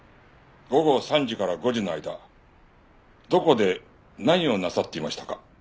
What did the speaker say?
午後３時から５時の間どこで何をなさっていましたか？